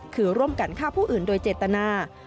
คือร่วมกันฆ่าผู้อื่นโดยเจตนา